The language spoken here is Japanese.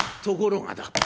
ところがだ